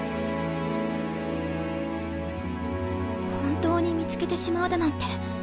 本当に見つけてしまうだなんて。